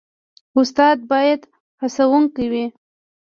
استاد باید هڅونکی وي